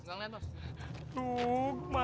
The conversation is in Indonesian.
lihat kak mas